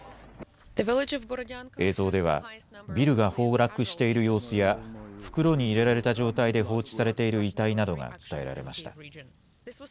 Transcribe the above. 映像ではビルが崩落している様子や袋に入れられた状態で放置されている遺体などが伝えられました。